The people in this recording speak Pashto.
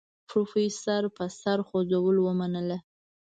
پروفيسر په سر خوځولو ومنله.